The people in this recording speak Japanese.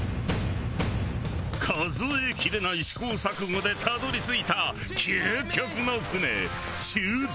数え切れない試行錯誤でたどり着いた究極の舟中大号。